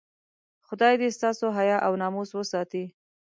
خدای دې ستاسو حیا او ناموس وساتي.